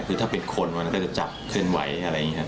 คือถ้าเป็นคนมันก็จะจับเคลื่อนไหวอะไรอย่างนี้